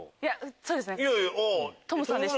そうですね。